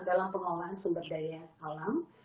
dalam pengelolaan sumber daya alam